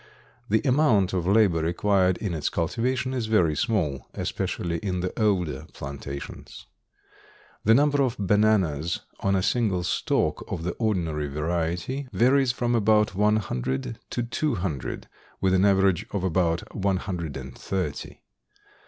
The amount of labor required in its cultivation is very small, especially in the older plantations. The number of bananas on a single stalk of the ordinary variety varies from about one hundred to two hundred, with an average of about one hundred and thirty.